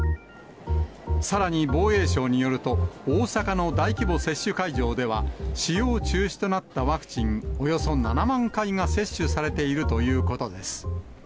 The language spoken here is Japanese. さらに防衛省によると、大阪の大規模接種会場では、使用中止となったワクチンおよそ７万回が接種されているということです。